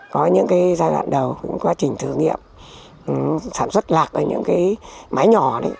có những cái giai đoạn đầu quá trình thử nghiệm sản xuất lạc ở những cái máy nhỏ đấy